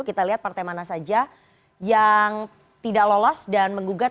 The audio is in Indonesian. kita lihat partai mana saja yang tidak lolos dan menggugat